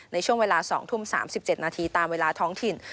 ในช่วงเวลา๒ทุ่ม๓๗นาทีตามเวลาท้องถิ่น